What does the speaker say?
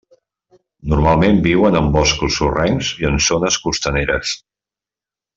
Normalment viuen en boscos sorrencs i en zones costaneres.